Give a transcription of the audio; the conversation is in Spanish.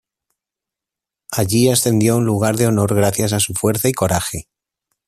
Allí ascendió a un lugar de honor gracias a su fuerza y coraje.